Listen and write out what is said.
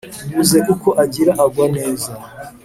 Ubuze uko agira agwa neza.